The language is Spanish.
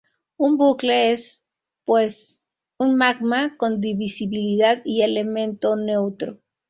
Un bucle es, pues, un magma con divisibilidad y elemento neutro.